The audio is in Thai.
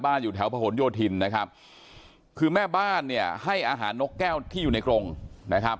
อยู่แถวพระหลโยธินนะครับคือแม่บ้านเนี่ยให้อาหารนกแก้วที่อยู่ในกรงนะครับ